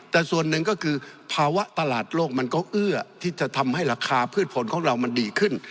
แต่ส่วนหนึ่งก็คือภาวะตลาดโลกมันก็เอื้อที่จะทำให้ราคาพืชผลของเรามันดีขึ้น